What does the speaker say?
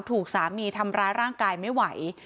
ถูกสามีทำร้ายร่างกายไม่ไหว